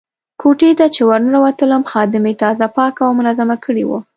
کوټې ته چې ورننوتلم خادمې تازه پاکه او منظمه کړې وه.